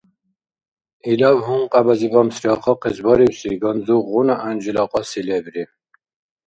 Илаб гьункьябази бамсриихъахъес барибси ганзухъгъуна гӀянжила кьаси лебри.